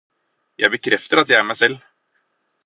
Jeg bekrefter at jeg er meg selv.